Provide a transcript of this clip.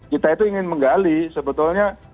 kita itu ingin menggali sebetulnya